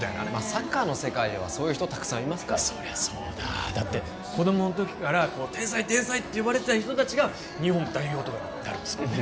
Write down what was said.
サッカーの世界ではそういう人たくさんいますからそりゃそうだだって子供の時から天才天才って言われてた人達が日本代表とかになるんですもんね